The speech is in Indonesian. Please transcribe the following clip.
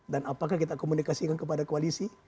dan apakah kita komunikasi kepada koalisi